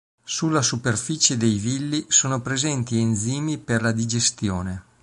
Sulla superficie dei villi sono presenti enzimi per la digestione.